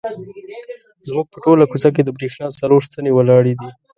زموږ په ټوله کوڅه کې د برېښنا څلور ستنې ولاړې دي.